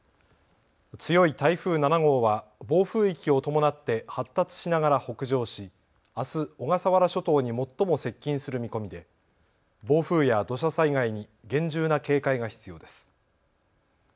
強い台風７号は暴風域を伴って発達しながら北上しあす、小笠原諸島に最も接近する見込みで暴風や土砂災害に厳重な警戒が必要です。